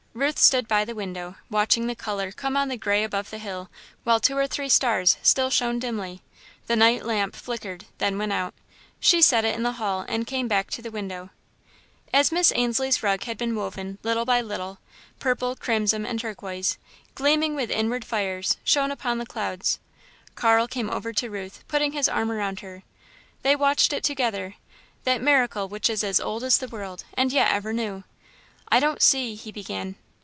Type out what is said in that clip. Ruth stood by the window, watching the colour come on the grey above the hill, while two or three stars still shone dimly. The night lamp flickered, then went out. She set it in the hall and came back to the window. As Miss Ainslie's rug had been woven, little by little, purple, crimson, and turquoise, gleaming with inward fires, shone upon the clouds. Carl came over to Ruth, putting his arm around her. They watched it together that miracle which is as old as the world, and yet ever new. "I don't see " he began.